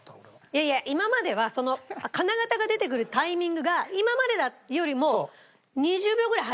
いやいや今までは金型が出てくるタイミングが俺も俺も。